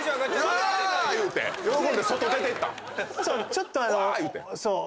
ちょっとあのそう。